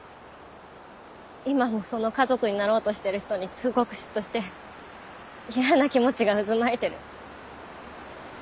今もその家族になろうとしてる人にすごく嫉妬して嫌な気持ちが渦巻いてる。